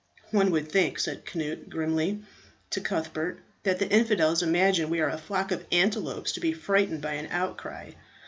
"One would think," said Cnut grimly to Cuthbert, "that the infidels imagine we are a flock of antelopes to be frightened by an outcry.